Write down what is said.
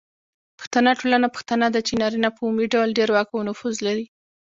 پښتنه ټولنه پښتنه ده، چې نارینه په عمومي ډول ډیر واک او نفوذ لري.